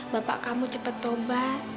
bapak kamu cepat tobat